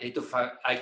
jadi pembina ikea di var